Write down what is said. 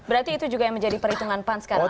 berarti itu juga yang menjadi perhitungan pan sekarang